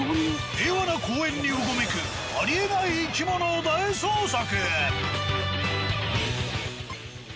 平和な公園にうごめくありえない生き物を大捜索。